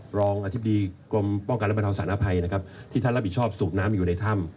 รองอธิบดีกรมป้องกันและบรรเทาสารภัยนะครับที่ท่านรับผิดชอบสูบน้ำอยู่ในถ้ำ